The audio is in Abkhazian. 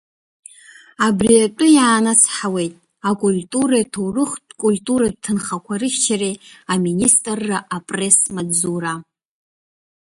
Абри атәы иаанацҳауеит акультуреи аҭоурыхтә-культуратә ҭынхақәа рыхьчареи аминистрра апресс-маҵзура.